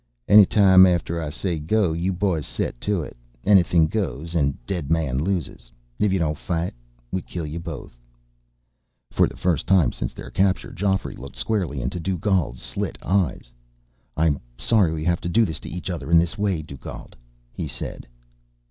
"Anytime after I say 'Go,' you boys set to it. Anything goes and dead man loses. If you don't fight, we kill you both." For the first time since their capture, Geoffrey looked squarely into Dugald's slit eyes. "I'm sorry we have to do this to each other in this way, Dugald," he said.